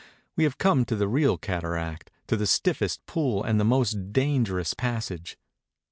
We have come to the real cataract, to the stiff est pull and the most dangerous passage.